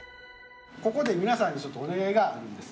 ここでみなさんにちょっとおねがいがあるんです。